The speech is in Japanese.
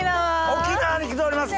沖縄に来ております